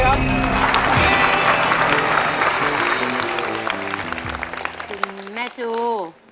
คุณแม่จู